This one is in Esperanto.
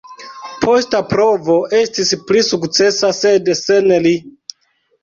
Posta provo estis pli sukcesa, sed sen li.